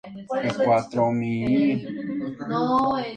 Glass Joe apareció más tarde en "Punch-Out!!